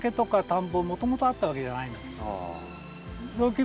雑木林ももともとあったわけじゃないんです。